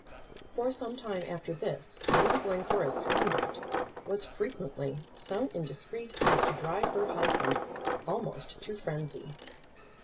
For some time after this Lady Glencora's conduct was frequently so indiscreet as to drive her husband almost to frenzy.